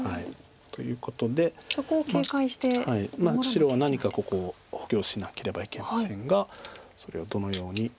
白は何かここを補強しなければいけませんがそれをどのように。